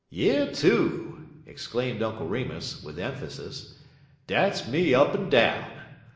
"Yer too!" exclaimed Uncle Remus, with emphasis. "Dat's me up en down.